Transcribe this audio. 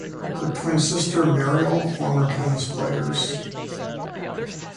Her twin sister Marielle former tennis players.